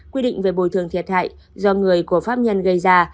quy định về bồi thường thiệt hại do người của pháp nhân gây ra